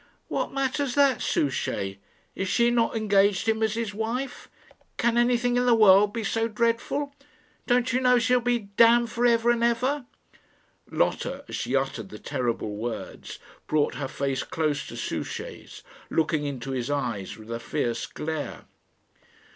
"What matters that, Souchey? Is she not engaged to him as his wife? Can anything in the world be so dreadful? Don't you know she'll be damned for ever and ever?" Lotta, as she uttered the terrible words, brought her face close to Souchey's, looking into his eyes with a fierce glare.